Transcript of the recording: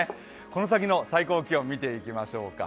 この先の最高気温を見ていきましょうか。